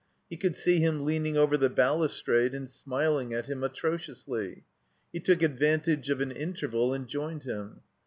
He could see him leaning over the balustrade and smiling at him atrodotisly. He took advantage of an interval and joined him.